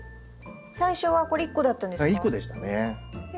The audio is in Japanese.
最初はこれ１個だったんですか？